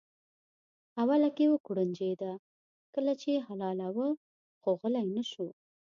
اوله کې وکوړنجېده کله چې یې حلالاوه خو غلی نه شو.